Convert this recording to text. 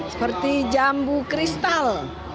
seperti jambu kristal